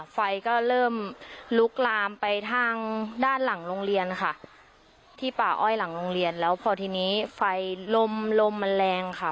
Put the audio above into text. ไฟก็เริ่มลุกลามไปทางด้านหลังโรงเรียนค่ะที่ป่าอ้อยหลังโรงเรียนแล้วพอทีนี้ไฟลมลมมันแรงค่ะ